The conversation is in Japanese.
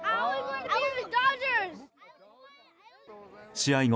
試合後